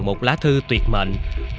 một lá thư tuyệt mệnh